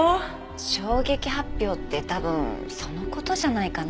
衝撃発表って多分その事じゃないかな。